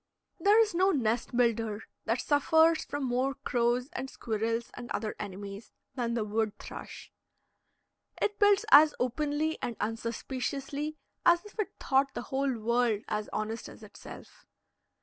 There is no nest builder that suffers more from crows and squirrels and other enemies than the wood thrush. It builds as openly and unsuspiciously as if it thought the whole world as honest as itself.